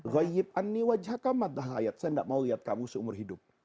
saya tidak mau lihat kamu seumur hidup